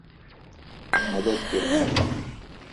مدد کیر من۔